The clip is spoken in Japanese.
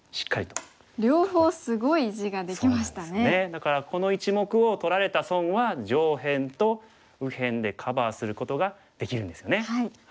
だからこの１目を取られた損は上辺と右辺でカバーすることができるんですよね。